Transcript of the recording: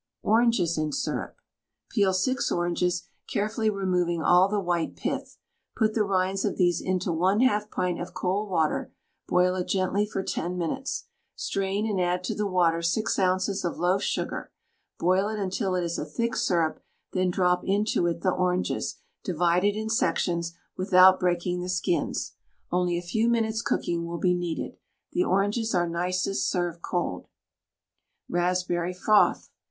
ORANGES IN SYRUP. Peel 6 oranges, carefully removing all the white pith. Put the rinds of these into 1/2 pint of cold water; boil it gently for 10 minutes. Strain, and add to the water 6 oz, of loaf sugar. Boil it until it is a thick syrup, then drop into it the oranges, divided in sections, without breaking the skins. Only a few minutes cooking will be needed. The oranges are nicest served cold. RASPBERRY FROTH.